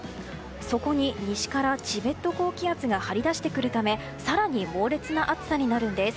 そこに西からチベット高気圧が張り出してくるため更に猛烈な暑さになるんです。